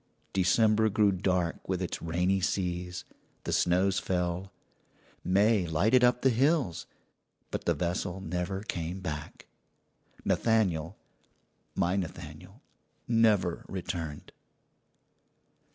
December grew dark with its rainy seas; the snows fell; May lighted up the hills, but the vessel never came back. Nathaniel my Nathaniel never returned.